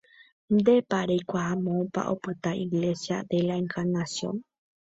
Ndépa reikuaa moõpa opyta Iglesia de la Encarnación.